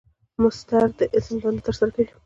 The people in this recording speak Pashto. مصدر د اسم دنده ترسره کوي.